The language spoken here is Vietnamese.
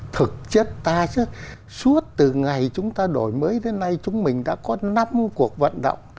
thực chất ta chứ suốt từ ngày chúng ta đổi mới đến nay chúng mình đã có năm cuộc vận động